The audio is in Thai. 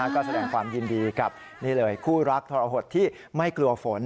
ก็แสดงความยินดีกับนี่เลยคู่รักทรหดที่ไม่กลัวฝน